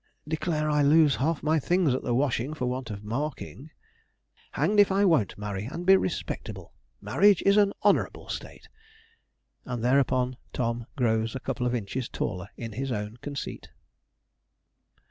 Declare I lose half my things at the washing for want of marking. Hanged if I won't marry and be respectable marriage is an honourable state!' And thereupon Tom grows a couple of inches taller in his own conceit.